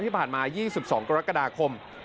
ที่ผ่านมา๒๒กรกฎาคม